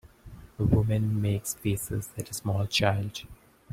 A woman makes faces at a small child.